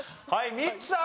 ミッツさん。